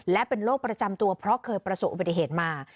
และเป็นโรคประจำตัวเพราะเคยประสบอุบัติเหตุมา